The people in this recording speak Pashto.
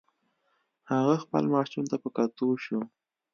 هغه خپل ماشوم ته په کتو شو.